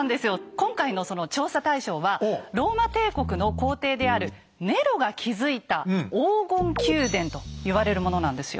今回のその調査対象はローマ帝国の皇帝であるネロが築いた「黄金宮殿」と言われるものなんですよ。